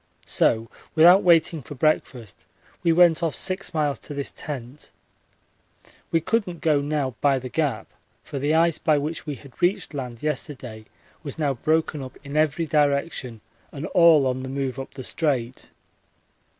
So without waiting for breakfast we went off six miles to this tent. We couldn't go now by the Gap, for the ice by which we had reached land yesterday was now broken up in every direction and all on the move up the Strait.